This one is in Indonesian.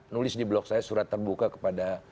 nulis di blog saya surat terbuka kepada